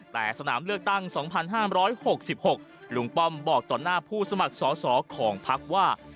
แต่สนามเลือกตั้ง๒๕๖๖ลุงป้อมบอกต่อหน้าผู้สมัครสอสอของพักว่า